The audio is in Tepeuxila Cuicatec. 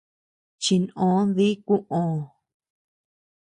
Chinʼö dí kuʼö.